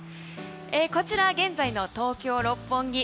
こちら、現在の東京・六本木。